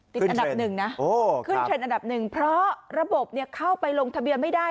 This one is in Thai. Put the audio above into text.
ติดอันดับ๑นะขึ้นเทรนด์อันดับ๑เพราะระบบเข้าไปลงทะเบียนไม่ได้